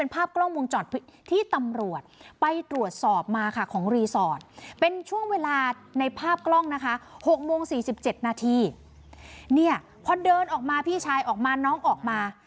ภาพกล้องนะคะหกโมงสี่สิบเจ็ดนาทีเนี่ยพอเดินออกมาพี่ชายออกมาน้องออกมา